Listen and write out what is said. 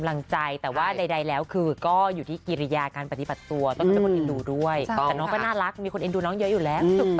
อ้าวคุณผู้ชมค่ะ